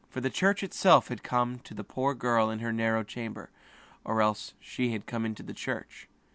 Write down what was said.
The church itself had come to the poor girl in her narrow room, or the room had gone to the church.